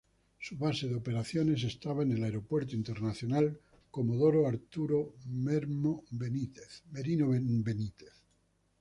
Su base de operaciones estaba en el Aeropuerto Internacional Comodoro Arturo Merino Benítez.